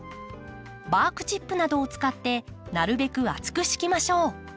バークチップなどを使ってなるべく厚く敷きましょう。